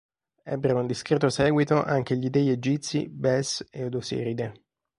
Ebbero un discreto seguito anche gli dèi egizi Bes ed Osiride.